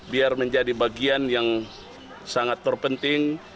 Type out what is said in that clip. biar menjadi bagian yang sangat terpenting